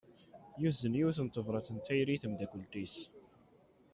Yuzen yiwet n tebrat n tayri i tmeddakelt-is.